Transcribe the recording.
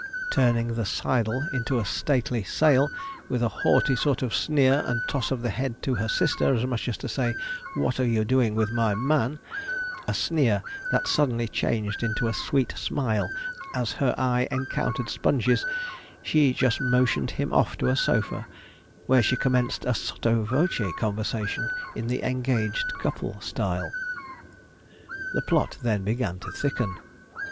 Turning the sidle into a stately sail, with a haughty sort of sneer and toss of the head to her sister, as much as to say, 'What are you doing with my man?' a sneer that suddenly changed into a sweet smile as her eye encountered Sponge's she just motioned him off to a sofa, where she commenced a sotto voce conversation in the engaged couple style. [Illustration: MR. SPONGE AND THE MISSES JAWLEYFORD] The plot then began to thicken.